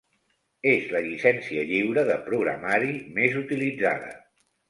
És la llicència lliure de programari més utilitzada.